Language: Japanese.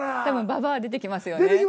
多分「ババア」出てきますよね。